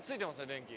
電気。